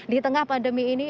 di tengah pandemi ini